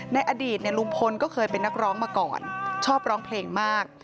ในอดีตลุงพลก็เคยเป็นนักร้องมาก่อนชอบร้องเพลงมาก